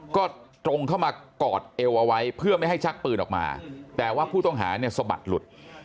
ก็ตรงเข้ามากอดเอวเอาไว้เพื่อไม่ให้ชักปืนออกมาแต่ว่าผู้ต้องหาเนี่ยสะบัดหลุด